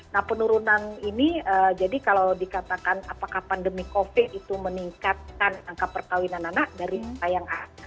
nah penurunan ini jadi kalau dikatakan apakah pandemi covid itu meningkatkan angka perkawinan anak dari tayang a